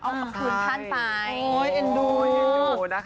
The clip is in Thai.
เอามาคืนท่านไป